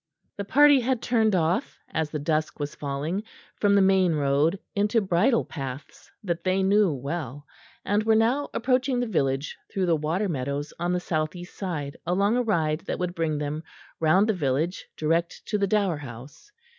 The party had turned off, as the dusk was falling, from the main road into bridle paths that they knew well, and were now approaching the village through the water meadows on the south east side along a ride that would bring them, round the village, direct to the Dower House.